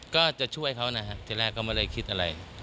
ก็จะช่วยเขานะฮะทีแรกก็ไม่ได้คิดอะไร